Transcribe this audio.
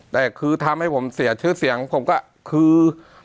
แต่คือทำให้ผมเสียชื่อเสียงผมก็คือ